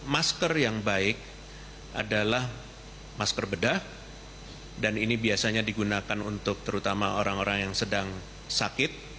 masker yang baik adalah masker bedah dan ini biasanya digunakan untuk terutama orang orang yang sedang sakit